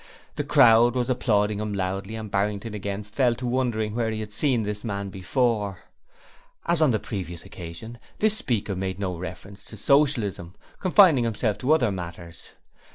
The crowd was applauding him loudly and Barrington again fell to wondering where he had seen this man before. As on the previous occasion, this speaker made no reference to Socialism, confining himself to other matters.